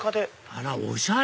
あらおしゃれ！